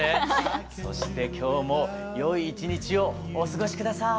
そして今日もよい一日をお過ごし下さい。